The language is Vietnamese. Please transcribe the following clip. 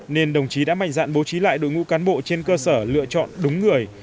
nên đồng chí đã mạnh dạn bố trí lại đội ngũ cán bộ trên cơ sở lựa chọn đúng người